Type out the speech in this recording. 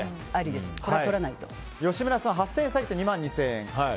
吉村さんは８０００円下げて２万２０００円。